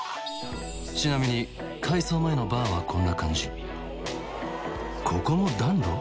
ちなみに改装前のバーはこんな感じここも暖炉？